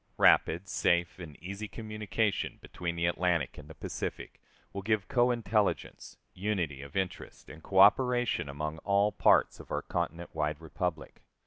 Rapid, safe, and easy communication between the Atlantic and the Pacific will give cointelligence, unity of interest, and coöperation among all parts of our continent wide republic.